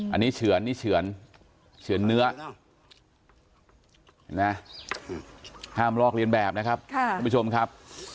อันนี้เฉือนนี่เฉือนเฉือนเนื้อห้ามลอกเรียนแบบนะครับท่านผู้ชมครับ